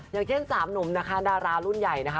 อย่างเช่นสามหนุ่มนะคะดารารุ่นใหญ่นะคะ